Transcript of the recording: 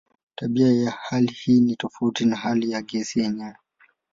Tabia ya hali hii ni tofauti na hali ya gesi yenyewe.